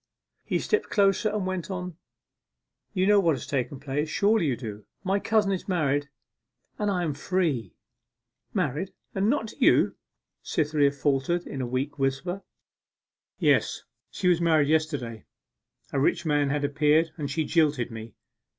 He stepped closer, and went on, 'You know what has taken place? Surely you do? my cousin is married, and I am free.' 'Married and not to you?' Cytherea faltered, in a weak whisper. 'Yes, she was married yesterday! A rich man had appeared, and she jilted me.